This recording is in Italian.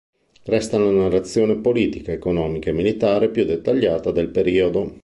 Resta la narrazione politica, economica e militare più dettagliata del periodo.